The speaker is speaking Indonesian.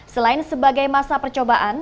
selain sebagai masa percobaan